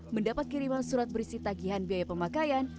mendapat kiriman surat berisi tagihan biaya pemakaian